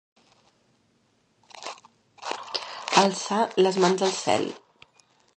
Alçar les mans al cel.